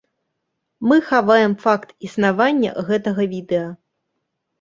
Мы хаваем факт існавання гэтага відэа!